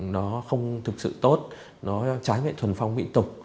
nó không thực sự tốt nó trái về thuần phong mỹ tục